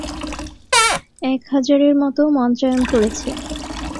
এক হাজারের মতো মঞ্চায়ন করেছে।